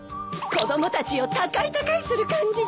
子供たちを高い高いする感じで。